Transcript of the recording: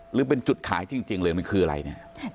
หรือเป็นจุดขายจริงเลยมันคืออะไรเนี่ย